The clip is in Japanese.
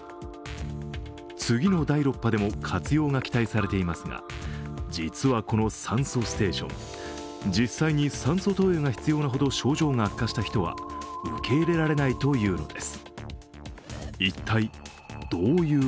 次の第６波でも活用が期待されていますが、実はこの酸素ステーション、実際に酸素投与が必要なほど症状が悪化した人は受け入れられないというのです。